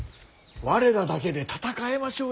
我らだけで戦えましょうや。